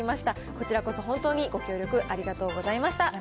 こちらこそ本当にご協力ありがとうございました。